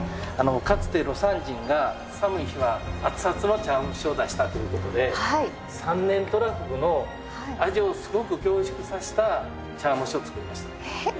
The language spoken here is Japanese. かつて魯山人が寒い日はアツアツの茶碗蒸しを出したということで３年とらふぐの味をすごく凝縮させた茶碗蒸しを作りました。